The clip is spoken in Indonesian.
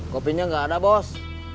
kopinya gak ada bos